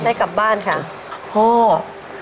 ได้กลับบ้านค่ะ